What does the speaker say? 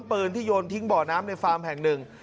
ปืนที่โยนทิ้งบ่อน้ำในฟาร์มแห่งหนึ่ง